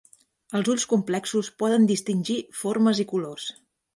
Els ulls complexos poden distingir formes i colors.